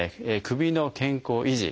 首の健康維持